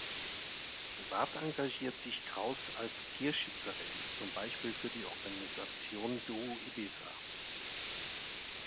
Privat engagiert sich Kraus als Tierschützerin, zum Beispiel für die Organisation Duo Ibiza.